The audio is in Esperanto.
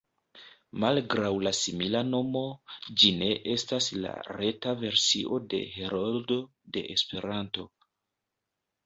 Malgraŭ la simila nomo, ĝi ne estas la reta versio de Heroldo de Esperanto.